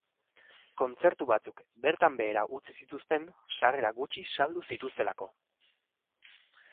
Kontzertu batzuk bertan behera utzi zituzten sarrera gutxi saldu zituztelako.